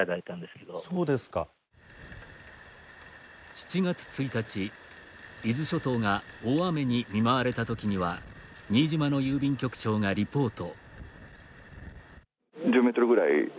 ７月１日、伊豆諸島が大雨に見舞われたときには新島の郵便局長がリポート。